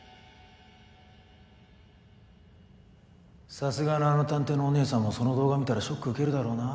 さすがのあの探偵のおねえさんもその動画見たらショック受けるだろうな。